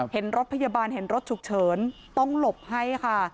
เห็นรถพยาบาลเห็นรถฉุกเฉินต้องหลบให้ค่ะ